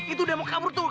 itu udah mau kabur tuh